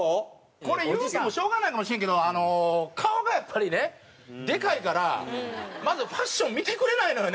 これ言うてもしょうがないかもしれんけど顔がやっぱりねでかいからまずファッションを見てくれないのよね